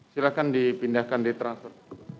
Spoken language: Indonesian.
silahkan dipindahkan di transfer